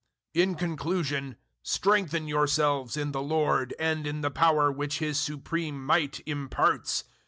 006:010 In conclusion, strengthen yourselves in the Lord and in the power which His supreme might imparts.